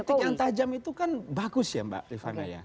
titik yang tajam itu kan bagus ya mbak rifana ya